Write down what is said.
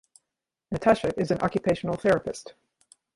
Natasha is an Occupational Therapist.